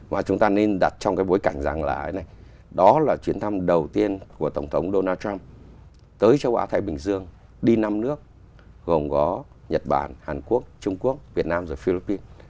và chúng ta nên đặt trong cái bối cảnh rằng là cái này đó là chuyến thăm đầu tiên của tổng thống donald trump tới châu á thái bình dương đi năm nước gồm có nhật bản hàn quốc trung quốc việt nam và philippines